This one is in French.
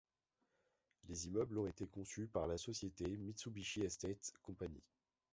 Les immeubles ont été conçus par la société Mitsubishi Estate Co..